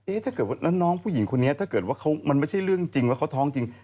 ถ้าเกิดว่าแล้วน้องผู้หญิงคนนี้ถ้าเกิดว่ามันไม่ใช่เรื่องจริงแล้วเขาท้องจริง